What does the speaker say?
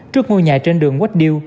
trước ngôi nhà trên đường quách điêu